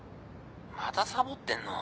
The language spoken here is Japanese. またサボってんの？